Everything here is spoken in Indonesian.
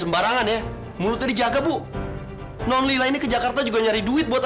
mon mau liat kan apa non